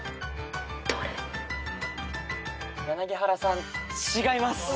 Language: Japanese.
柳原さん違います。